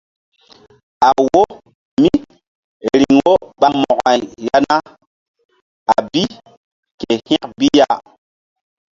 A wo míriŋ wo ɓa Mo̧ko-ay ya na a bi ke hȩk bi ya.